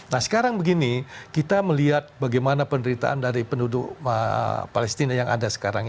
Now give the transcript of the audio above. nah sekarang begini kita melihat bagaimana penderitaan dari penduduk palestina yang ada sekarang